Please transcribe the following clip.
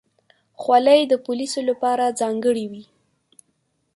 خولۍ د پولیسو لپاره ځانګړې وي.